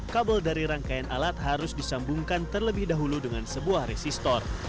kabel dari rangkaian alat harus disambungkan terlebih dahulu dengan sebuah resistor